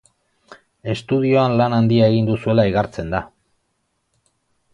Estudioan lan handia egin duzuela igartzen da.